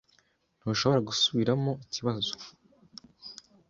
Ntushobora gusubiramo ikibazo?